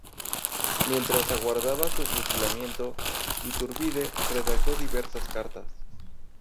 Mientras aguardaba su fusilamiento, Iturbide redactó diversas cartas.